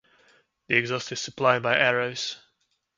The exhaust is supplied by Arrows.